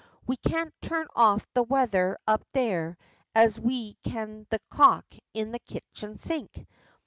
We can't turn off the wather up there as we can the cock in the kitchen sink.